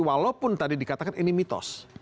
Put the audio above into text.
walaupun tadi dikatakan ini mitos